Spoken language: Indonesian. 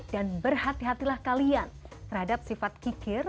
dan berhati hatilah kalian terhadap sifat kikir